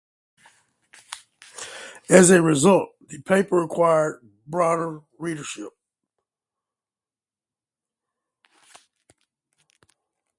As a result, the paper acquired broader readership.